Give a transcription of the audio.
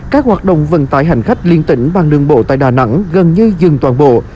các hoạt động vận tải hành khách liên tỉnh bằng đường bộ tại đà nẵng gần như dừng toàn bộ